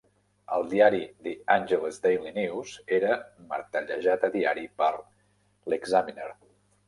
El diari "The Angeles Daily News" era martellejat a diari per l'"Examiner".